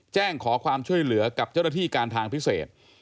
แจ้งขอความช่วยเหลือกับเจ้าหน้าที่การทางพิเศษ